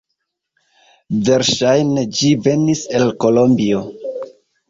Verŝajne ĝi venis el Kolombio.